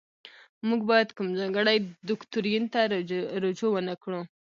موږ باید کوم ځانګړي دوکتورین ته رجوع ونکړو.